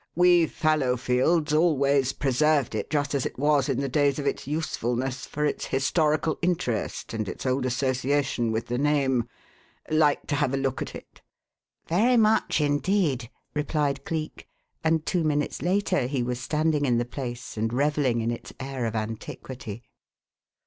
We Fallowfields always preserved it, just as it was in the days of its usefulness, for its historical interest and its old association with the name. Like to have a look at it?" "Very much indeed," replied Cleek, and two minutes later he was standing in the place and revelling in its air of antiquity.